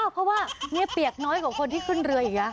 เพราะว่านี่เปียกน้อยกว่าคนที่ขึ้นเรืออีกนะ